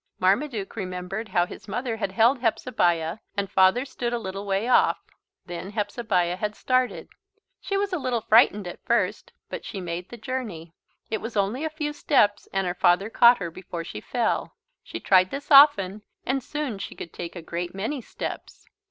Marmaduke remembered how his Mother had held Hepzebiah and Father stood a little way off. Then Hepzebiah had started. She was a little frightened at first but she made the journey. It was only a few steps and her father caught her before she fell. She tried this often and soon she could take a great many steps.